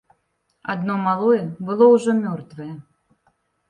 Адно малое было ўжо мёртвае.